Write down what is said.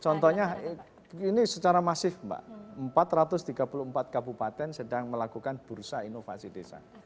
contohnya ini secara masif mbak empat ratus tiga puluh empat kabupaten sedang melakukan bursa inovasi desa